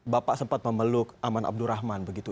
bapak sempat memeluk aman abdurrahman begitu